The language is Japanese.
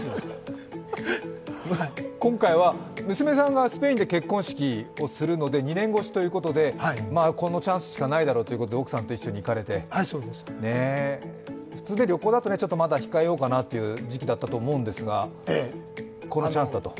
今回は娘さんがスペインで結婚式をするので、２年越しということでこのチャンスしかないだろうということで奥さんと一緒に行かれて、普通、旅行だとまだ控えようかなという時期だったと思うんですがこのチャンスだと。